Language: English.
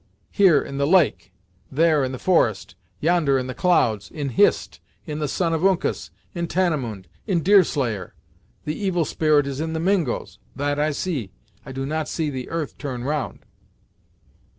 Here, in the lake; there, in the forest; yonder, in the clouds; in Hist, in the Son of Uncas, in Tannemund, in Deerslayer. The Evil Spirit is in the Mingos. That I see; I do not see the earth turn round."